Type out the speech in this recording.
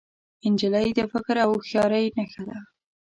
نجلۍ د فکر او هوښیارۍ نښه ده.